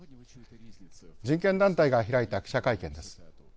人権団体が開いた記者会見です。